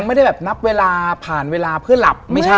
ไม่ได้แบบนับเวลาผ่านเวลาเพื่อหลับไม่ใช่